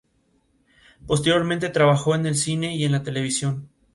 Posteriormente trabajó en el cine y en la televisión.